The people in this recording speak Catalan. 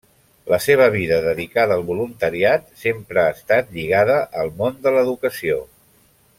La seva vida dedicada al voluntariat sempre ha estat lligada al món de l'educació.